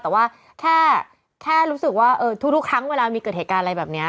แต่ว่าแค่รู้สึกว่าทุกครั้งเวลามีเกิดเหตุการณ์อะไรแบบนี้